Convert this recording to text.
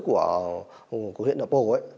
của huyện đạp bồ